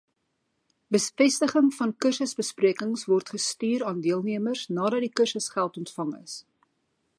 Bevestiging van kursusbesprekings word gestuur aan deelnemers nadat die kursusgeld ontvang is.